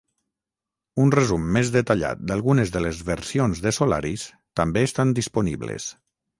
Un resum més detallat d'algunes de les versions de Solaris també estan disponibles.